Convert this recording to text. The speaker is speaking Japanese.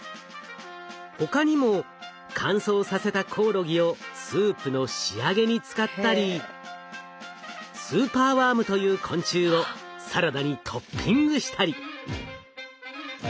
他にも乾燥させたコオロギをスープの仕上げに使ったりスーパーワームという昆虫をサラダにトッピングしたり。